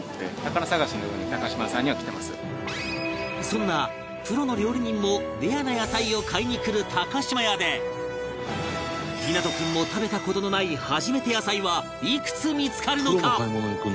そんなプロの料理人もレアな野菜を買いに来る島屋で湊君も食べた事のない初めて野菜はいくつ見付かるのか？